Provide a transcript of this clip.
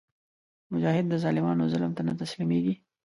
مجاهد د ظالمانو ظلم ته نه تسلیمیږي.